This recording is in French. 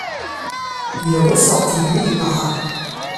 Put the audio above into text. Il ressortit libre.